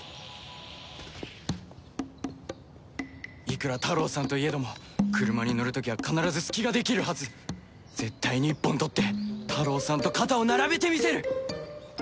いくらタロウさんといえども車に乗る時は必ず隙ができるはず絶対に一本取ってタロウさんと肩を並べてみせる！